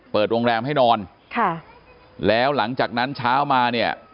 เปิดโรงแรมให้นอนค่ะแล้วหลังจากนั้นเช้ามาเนี่ย